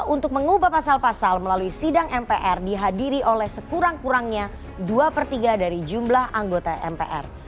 untuk mengubah pasal pasal melalui sidang mpr dihadiri oleh sekurang kurangnya dua per tiga dari jumlah anggota mpr